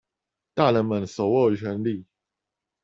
大人們手握權利